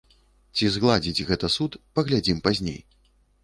Ці згладзіць гэта суд, паглядзім пазней.